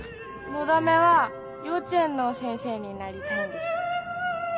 のだめは幼稚園の先生になりたいんです。